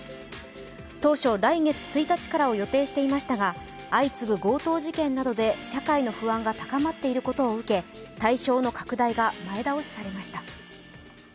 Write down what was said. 当初、来月１日からを予定していましたが相次ぐ強盗事件などで社会の不安が高まっていることを受け対象の拡大が前倒しされました。